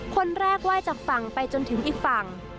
คนแรกไหว้จากฝั่งไปจนถึงอีกฝั่ง